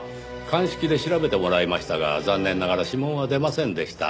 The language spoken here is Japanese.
鑑識で調べてもらいましたが残念ながら指紋は出ませんでした。